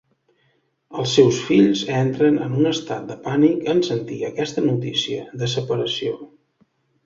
Els seus fills entren en un estat de pànic en sentir aquesta notícia de separació.